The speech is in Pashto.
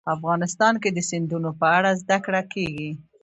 افغانستان کې د سیندونه په اړه زده کړه کېږي.